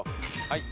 はい。